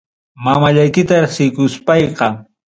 Mamallaykita reqsiykuspayqa.